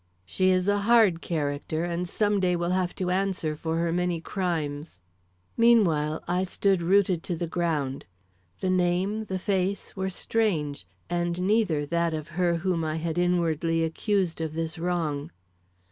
"She is a hard character, and some day will have to answer for her many crimes." Meanwhile, I stood rooted to the ground; the name, the face were strange, and neither that of her whom I had inwardly accused of this wrong.